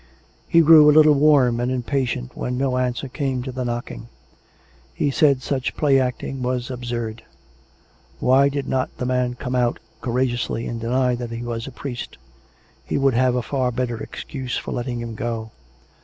He grew a little warm and impatient when no answer came to the knocking. He said such play acting was ab surd. Why did not the man come out courageously and deny that he was a priest? He would have a far better excuse for letting him go.